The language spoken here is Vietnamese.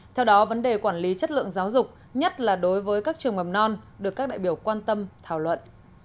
theo đó vấn đề quản lý chất lượng giáo dục nhất là đối với các trường mầm non được các đại biểu quan tâm thảo luận